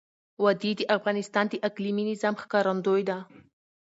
وادي د افغانستان د اقلیمي نظام ښکارندوی ده.